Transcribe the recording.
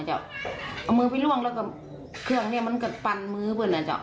เอามือไปล่วงแล้วก็เครื่องนี้มันกัดปั่นมือพุน